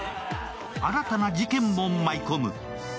新たな事件も舞い込む。